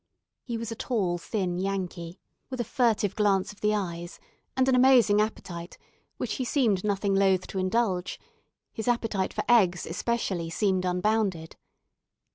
He was a tall, thin Yankee, with a furtive glance of the eyes, and an amazing appetite, which he seemed nothing loath to indulge: his appetite for eggs especially seemed unbounded.